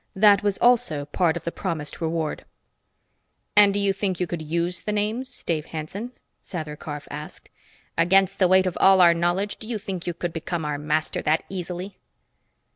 That was also part of the promised reward." "And do you think you could use the names, Dave Hanson?" Sather Karf asked. "Against the weight of all our knowledge, do you think you could become our master that easily?"